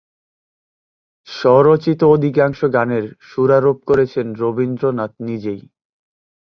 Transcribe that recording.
স্বরচিত অধিকাংশ গানে সুরারোপ করেছেন রবীন্দ্রনাথ নিজেই।